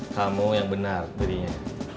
kamu yang benar dirinya